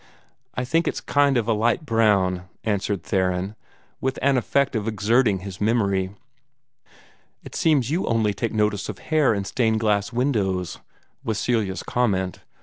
"I think it's a kind of light brown," answered Theron, with an effect of exerting his memory. "It seems that you only take notice of hair in stained glass windows," was Celia's comment.